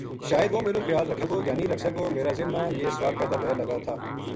شاید وُہ میرو خیال رکھے گو یا نیہہ رکھسے گو میرا ذہن ما یہ سوال پیدا و ھے لگا تھا